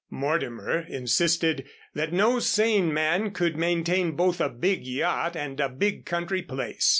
Mortimer insisted that no sane man could maintain both a big yacht and a big country place.